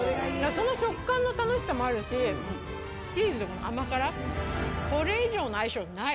その食感の楽しさもあるし、チーズのこの甘辛、これ以上の相性ない。